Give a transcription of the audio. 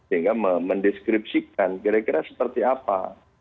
sehingga mendeskripsikan kira kira seperti apa